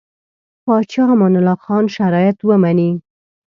پاچا امان الله خان شرایط ومني.